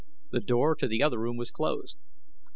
The door to the other room was closed.